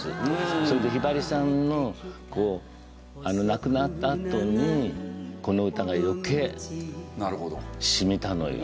それでひばりさんの亡くなったあとにこの歌が余計染みたのよ。